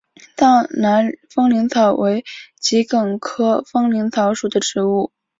藏南风铃草为桔梗科风铃草属的植物。